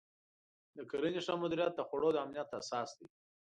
د کرنې ښه مدیریت د خوړو د امنیت اساس دی.